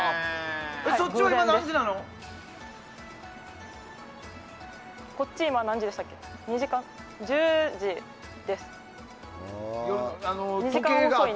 そっちは今何時なの？